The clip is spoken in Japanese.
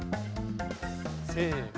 せの。